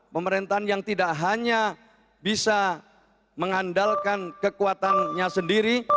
pemerintahan yang tidak hanya bisa mengandalkan kekuatannya sendiri